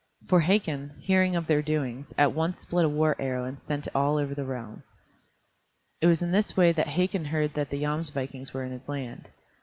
For Hakon, hearing of their doings, at once split a war arrow and sent it all over the realm. It was in this way that Hakon heard that the Jomsvikings were in his land.